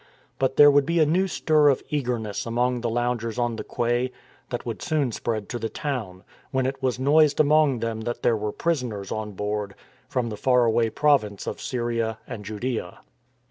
But there would be a new stir of eagerness among the loungers on the quay that would soon spread to the town, when it was noised among them that there were prisoners on board from the far away province of Syria and Judsea.